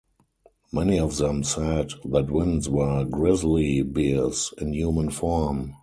Many of them said that twins were grizzly bears in human form.